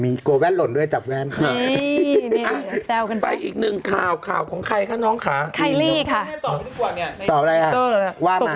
มีโกแว่นหล่นด้วยจับแว่นค่ะ